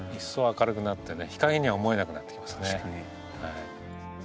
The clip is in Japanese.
日かげには思えなくなってきますね。